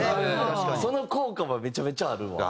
その効果はめちゃめちゃあるわ。